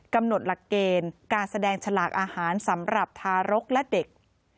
กำหนดหลักเกณฑ์การแสดงฉลากอาหารสำหรับทารกและเด็ก